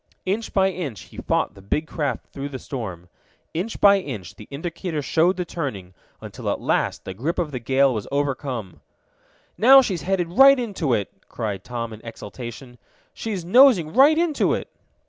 Inch by inch he fought the big craft through the storm. Inch by inch the indicator showed the turning, until at last the grip of the gale was overcome. "Now she's headed right into it!" cried Tom in exultation. "She's nosing right into it!"